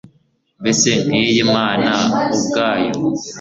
mbese nk'iy'imana ubwayo